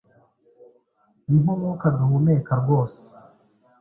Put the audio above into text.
Ni nkumwuka duhumeka rwose.